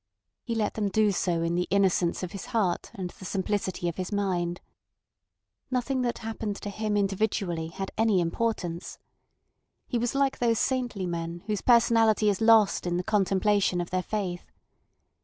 He let them do so in the innocence of his heart and the simplicity of his mind. Nothing that happened to him individually had any importance. He was like those saintly men whose personality is lost in the contemplation of their faith.